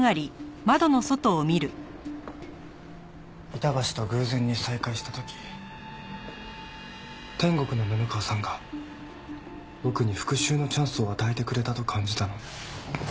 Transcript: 板橋と偶然に再会した時天国の布川さんが僕に復讐のチャンスを与えてくれたと感じたの。